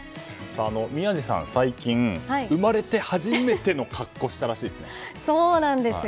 宮司さん、最近生まれて初めての格好そうなんですよ。